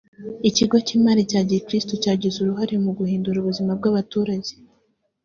Ikigo cy’Imari cya Gikirisitu cyagize uruhare mu guhindura ubuzima bw’abaturage